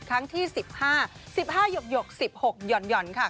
ครั้งที่๑๕๑๖หย่อนค่ะ